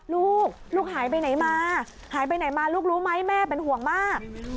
ลูกลูกหายไปไหนมาลูกรู้ไหมแม่เป็นห่วงมาก